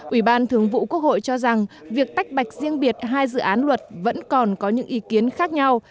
ủy ban thường vụ quốc hội cho rằng việc tách bạch riêng biệt hai dự án luật vẫn còn có những ý kiến khác nhau